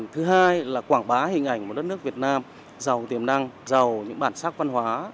thứ hai là quảng bá hình ảnh một đất nước việt nam giàu tiềm năng giàu những bản sắc văn hóa